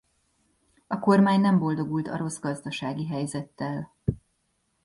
A kormány nem boldogult a rossz gazdasági helyzettel.